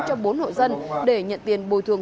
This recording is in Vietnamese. cho bốn hội dân để nhận tiền bồi thường